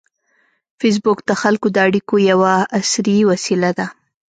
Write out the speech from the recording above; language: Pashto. فېسبوک د خلکو د اړیکو یوه عصري وسیله ده